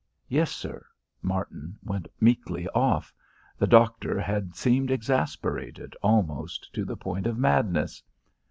"Yes, sir." Martin went meekly off. The doctor had seemed exasperated almost to the point of madness.